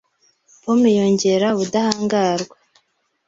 Pome yongera ubudahangarwa